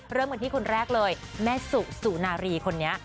เริ่มกันที่คนแรกเลยแม่สุสุนารีคนนี้